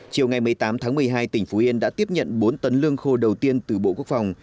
chiều ngày một mươi tám tháng một mươi hai tỉnh phú yên đã tiếp nhận bốn tấn lương khô đầu tiên từ bộ quốc phòng